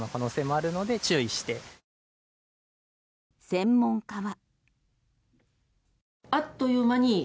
専門家は。